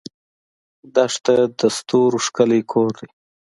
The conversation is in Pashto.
دښته د ستورو ښکلی کور دی.